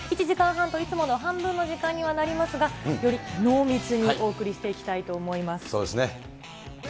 １時間半と、いつもの半分の時間にはなりますが、より濃密にお送りしていきたそうですね。